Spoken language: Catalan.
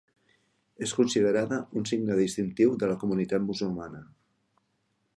És considerada un signe distintiu de la comunitat musulmana.